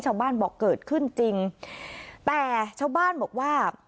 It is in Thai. ชาวบ้านบอกเกิดขึ้นจริงแต่ชาวบ้านบอกว่า